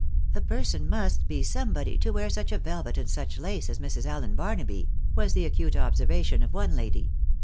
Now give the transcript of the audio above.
" A person viust be somebody, to wear such a velvet and such lace as Mrs. Allen Barnaby," was the acute observation of one lady.